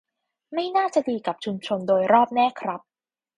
ไม่น่าจะดีกับชุมชนโดยรอบแน่ครับ